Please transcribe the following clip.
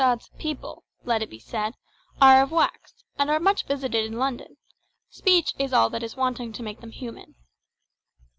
Madame Tussaud's "people," let it be said, are of wax, and are much visited in London; speech is all that is wanting to make them human.